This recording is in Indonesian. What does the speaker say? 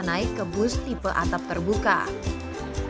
saya harus mengantri sekitar satu jam sebelum akhirnya bisa